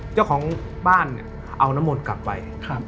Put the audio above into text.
เจ้าของบ้านเอาน้ำมนกลับไป